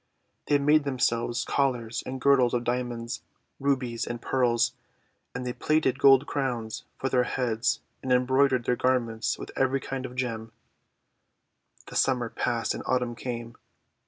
They made themselves collars and girdles of Diamonds, Rubies, and Pearls; and they plaited gold crowns for their heads, and embroidered their garments with every kind of gem. The Summer passed and Autumn came.